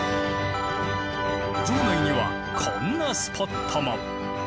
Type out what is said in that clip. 城内にはこんなスポットも。